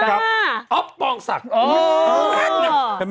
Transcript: อ่าโอ๊ะโปร่งสักโอ้ไม่ต้อง